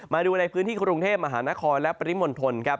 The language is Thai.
มาดูในพื้นที่กรุงเทพมหานครและปริมณฑลครับ